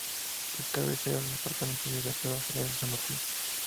Es cabecera del departamento Libertador General San Martín.